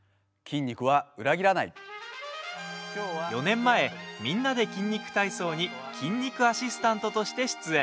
４年前「みんなで筋肉体操」に筋肉アシスタントとして出演。